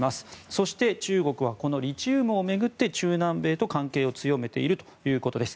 そして、中国はこのリチウムを巡って中南米と関係を強めているということです。